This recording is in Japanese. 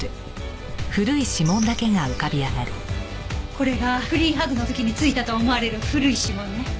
これがフリーハグの時に付いたと思われる古い指紋ね。